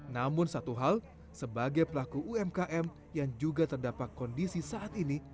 namun satu hal sebagai pelaku umkm yang juga terdapat kondisi saat ini